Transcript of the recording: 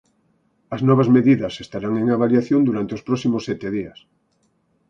As novas medidas estarán en avaliación durante os próximos sete días.